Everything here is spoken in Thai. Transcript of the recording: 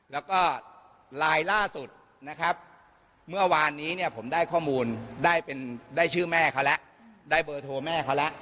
แล้วก็ลายล่าสุดนะครับเมื่อวานนี้เนี่ยผมได้ข้อมูลได้เป็นได้ชื่อแม่เขาแล้วได้เบอร์โทรแม่เขาแล้ว